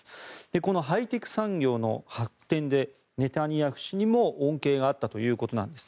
このハイテク産業の発展でネタニヤフ氏にも恩恵があったということです。